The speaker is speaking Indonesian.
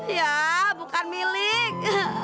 ya bukan milik